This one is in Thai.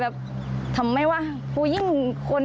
แต่เธอก็ไม่ละความพยายาม